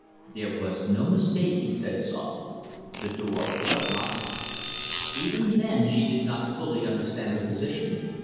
"There was no mistake," he said softly. "The door was locked." Even then she did not fully understand the position.